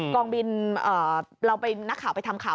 กองบินเราไปนักข่าวไปทำข่าว